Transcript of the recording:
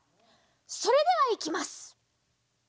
それではいきます！